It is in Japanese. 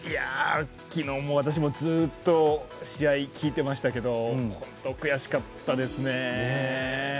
きのう、私もずっと試合聞いてましたけど本当に悔しかったですね。